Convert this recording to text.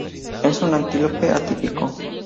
Es un antílope atípico.